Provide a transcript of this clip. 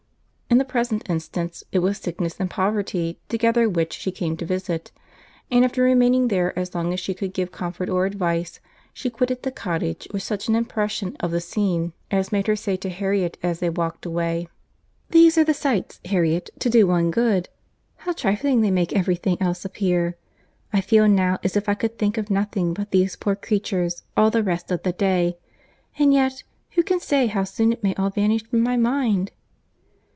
In the present instance, it was sickness and poverty together which she came to visit; and after remaining there as long as she could give comfort or advice, she quitted the cottage with such an impression of the scene as made her say to Harriet, as they walked away, "These are the sights, Harriet, to do one good. How trifling they make every thing else appear!—I feel now as if I could think of nothing but these poor creatures all the rest of the day; and yet, who can say how soon it may all vanish from my mind?"